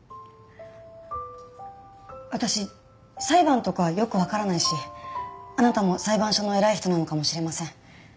私裁判とかよくわからないしあなたも裁判所の偉い人なのかもしれません。